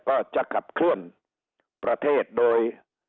ก็จะขับเคลื่อนประเทศโดย